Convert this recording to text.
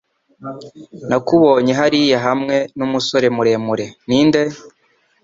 Nakubonye hariya hamwe numusore muremure. Ninde?